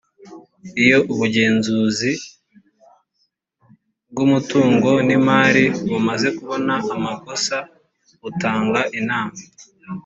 iyo ubugenzuzi bw’umutungo n’imali bumaze kubona amakosa butanga inama